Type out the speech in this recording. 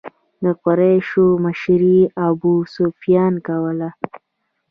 د قریشو مشري ابو سفیان کوله.